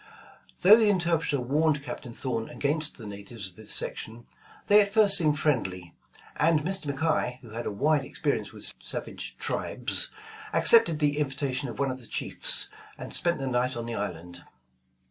Though the interpreter warned Captain Thorn against the natives of this section, they at first seemed friendly, and Mr. McKay, who had a wide experience with savage tribes, accepted the invitation of one of the chiefs, and spent the night on the island.